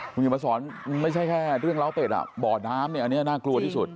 มึงอยู่มาสอนไม่ใช่แค่เรื่องเล้าเต็ดบ่อน้ำนี่น่ากลัวที่สุด